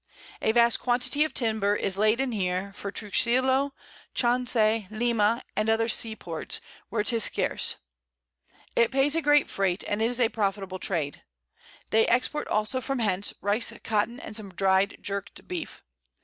A vast quantity of Timber is laden here for Truxillo, Chancay, Lima, and other Sea ports, where 'tis scarce; it pays a great Freight, and is a profitable Trade: They export also from hence Rice, Cotton, and some dry'd Jerkt Beef.